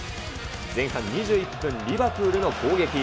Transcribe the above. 前半２１分、リバプールの攻撃。